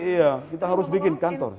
iya kita harus bikin kantor